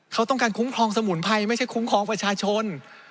เขาต้องการคุ้มครองสมุนไพรไม่ใช่คุ้มครองประชาชน